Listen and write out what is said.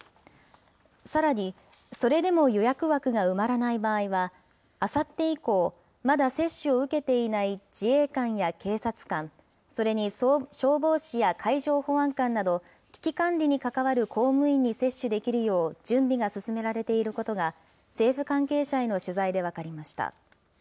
さらに、それでも予約枠が埋まらない場合は、あさって以降、まだ接種を受けていない自衛官や警察官、それに消防士や海上保安官など、危機管理に関わる公務員に接種できるよう、準備が進められていることが、政府関係者への取材で分かりました。